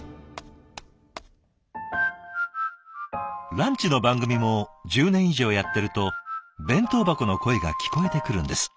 ランチの番組も１０年以上やってると弁当箱の声が聞こえてくるんです。